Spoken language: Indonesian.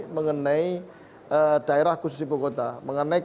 mengenai daerah khusus ibu kota